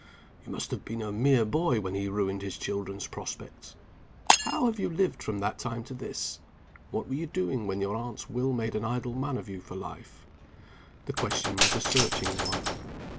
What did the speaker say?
You must have been a mere boy when he ruined his children's prospects. How have you lived from that time to this? What were you doing when your aunt's will made an idle man of you for life?" The question was a searching one.